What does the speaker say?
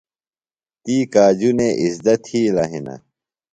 تی کاجُنے اِزدہ تِھیلہ ہِنہ۔